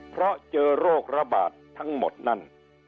เพราะเจอโรคระบาดทั้งหมดนั่น